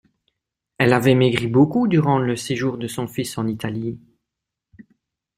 Elle avait maigri beaucoup durant le séjour de son fils en Italie.